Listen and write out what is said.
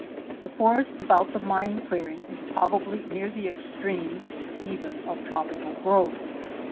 The forest about the mine clearing is probably near the extreme, even of tropical growth.